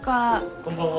こんばんは。